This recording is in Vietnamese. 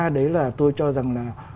đấy là tôi cho rằng là